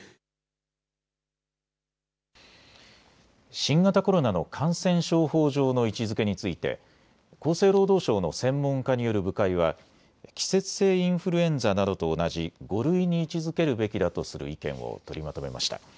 新型コロナの感染症法上の位置づけについて厚生労働省の専門家による部会は季節性インフルエンザなどと同じ５類に位置づけるべきだとする意見を取りまとめました。